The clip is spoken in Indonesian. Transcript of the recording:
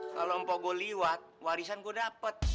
kalau mpok gue liwat warisan gue dapat